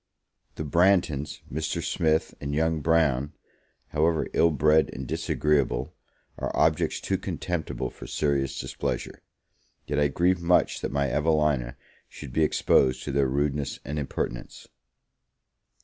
The Branghtons, Mr. Smith, and young Brown, however ill bred and disagreeable, are objects too contemptible for serious displeasure; yet I grieve much that my Evelina should be exposed to their rudeness and impertinence.